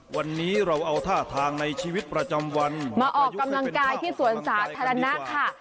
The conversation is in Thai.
วันนี้เราเอาท่าทางในชีวิตประจำวันมาออกกำลังกายที่สวนสาธารณะค่ะ